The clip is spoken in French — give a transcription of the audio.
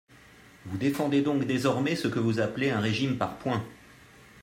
Vous défendez donc désormais ce que vous appelez un régime par points.